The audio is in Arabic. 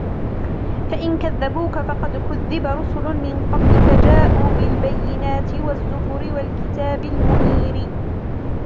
فَإِنْ كَذَّبُوكَ فَقَدْ كُذِّبَ رُسُلٌ مِنْ قَبْلِكَ جَاءُوا بِالْبَيِّنَاتِ وَالزُّبُرِ وَالْكِتَابِ الْمُنِيرِ